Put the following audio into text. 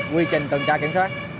quy trình tần tra kiểm soát